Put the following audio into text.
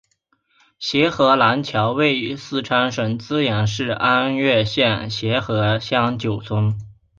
协和廊桥位于四川省资阳市安岳县协和乡九村。